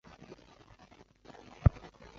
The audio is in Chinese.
我就真的不会去吗